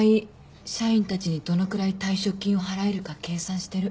社員たちにどのくらい退職金を払えるか計算してる。